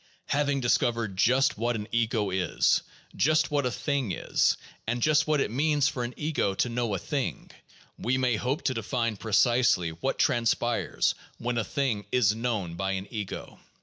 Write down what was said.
Having discovered just what an ego is, just what a thing is, and just what it means for an ego to know a thing, we may hope to define precisely what transpires when a thing is known by an ego.